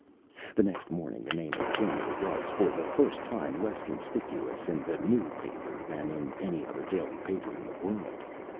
The next morning the name of Filmer was, for the first time, less conspicuous in the New Paper than in any other daily paper in the world.